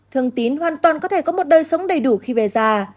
thường tín hoàn toàn có thể có một đời sống đầy đủ khi về già